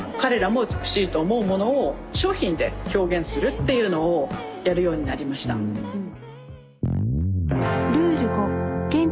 っていうのをやるようになりましたうん。